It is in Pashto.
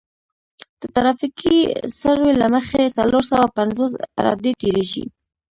د ترافیکي سروې له مخې څلور سوه پنځوس عرادې تیریږي